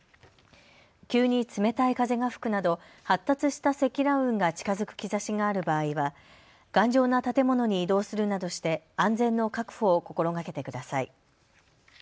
急に冷たい風が吹くなど発達した積乱雲が近づく兆しがある場合は頑丈な建物に移動するなどして安全の確保を心がけてください。